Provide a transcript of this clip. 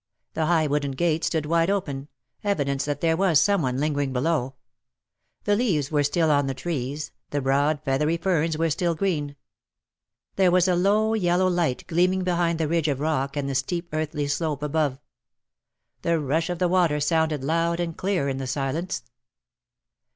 The high wooden gate stood wide open — evidence that there was some one lingering below. The leaves were still on the trees, the broad feathery ferns were still green. There was a low yellow light gleaming behind the ridge of rock and the steep earthy slope 227 above. The rush of the water sounded loud and clear in the silence.